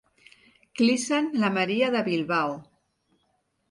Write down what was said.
Clissen la Maria de Bilbao.